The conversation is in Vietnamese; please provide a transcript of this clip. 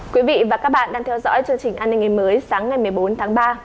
quý vị và các bạn đang theo dõi chương trình an ninh ngày mới sáng ngày một mươi bốn tháng ba